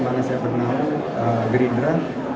karena saya pernah gerindra